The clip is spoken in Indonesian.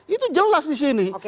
itu jelas disini